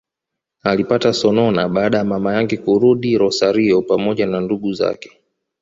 Alipata sonona baada ya mama yake kurudi Rosario pamoja na ndugu zake